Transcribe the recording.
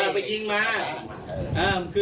ใครชิ้นให้